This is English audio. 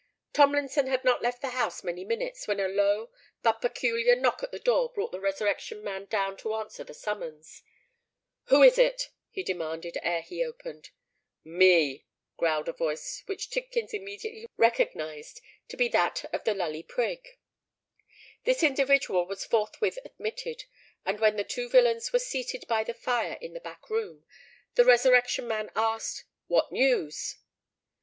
Tomlinson had not left the house many minutes, when a low, but peculiar knock at the door brought the Resurrection Man down to answer the summons. "Who is it?" he demanded, ere he opened. "Me," growled a voice which Tidkins immediately recognised to be that of the Lully Prig. This individual was forthwith admitted; and when the two villains were seated by the fire in the back room, the Resurrection Man asked "What news?"